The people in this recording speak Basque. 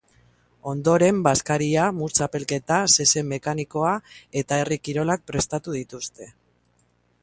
Ondoren, bazkaria, mus-txapelketa, zezen mekanikoa eta herri-kirolak prestatu dituzte.